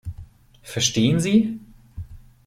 Verstehen Sie?